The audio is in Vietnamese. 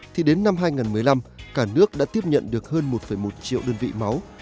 thì đến năm hai nghìn một mươi năm cả nước đã tiếp nhận được hơn một một triệu đơn vị máu